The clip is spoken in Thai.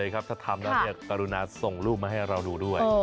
ถ้าทำแล้วกรุณาส่งรูปมาให้เราดูด้วย